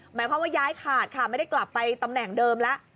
หมายความว่าย้ายขาดค่ะไม่ได้กลับไปตำแหน่งเดิมแล้ว